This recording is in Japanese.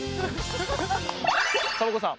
サボ子さん